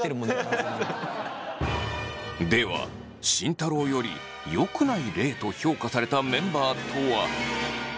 では慎太郎よりよくない例と評価されたメンバーとは。